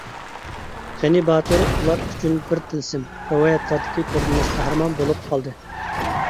غېنى باتۇر ئۇلار ئۈچۈن بىر تىلسىم، رىۋايەتلەردىكى كۆرۈنمەس قەھرىمان بولۇپ قالدى.